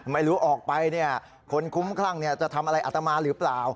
ไม่รู้ออกไปคนคุ้มคลั่งจะทำอะไรอัตมาหรือเปล่า